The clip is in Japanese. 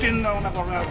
この野郎！